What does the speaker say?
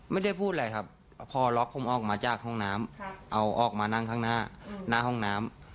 ไม่ได้พูดอะไรครับพอล็อกผมออกมาจากห้องน้ำเอาออกมานั่งข้างหน้าหน้าห้องน้ำ